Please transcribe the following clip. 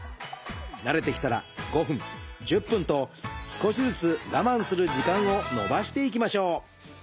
慣れてきたら５分１０分と少しずつ我慢する時間をのばしていきましょう。